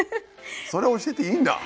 それ教えていいんだ？